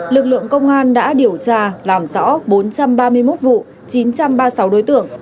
lực lượng công an đã điều tra làm rõ bốn trăm ba mươi một vụ chín trăm ba mươi sáu đối tượng